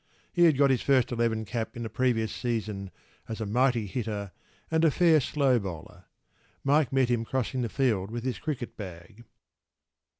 He had got his first eleven cap in the previous season as a mighty hitter and a fair slow bowler.  Mike met him crossing the field with his cricket bag.